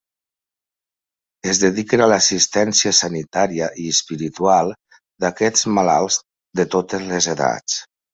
Es dediquen a l'assistència sanitària i espiritual d'aquests malalts, de totes les edats.